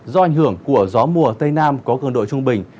do ảnh hưởng của gió mùa tây nam có cường độ trung bình